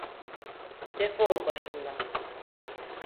Defol başımdan.